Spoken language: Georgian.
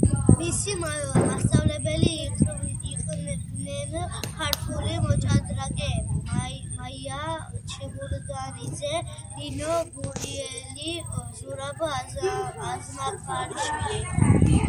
მისი მოსწავლეები იყვნენ ქართველი მოჭადრაკეები: მაია ჩიბურდანიძე, ნინო გურიელი, ზურაბ აზმაიფარაშვილი.